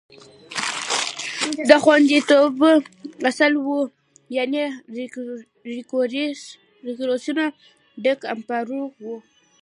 هغه د خوندیتوب اصل و، یعنې ریکورسو ډی امپارو و.